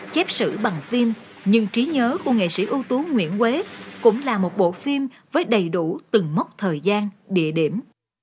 chép sử bằng phim nhưng trí nhớ của nghệ sĩ ưu tú nguyễn quế cũng là một bộ phim với đầy đủ từng mốc thời gian địa điểm